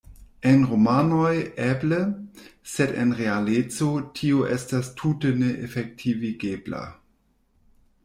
En romanoj, eble; sed en realeco, tio estas tute ne efektivigebla.